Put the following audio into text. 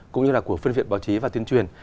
cũng như là của phương viện báo chí và tuyên truyền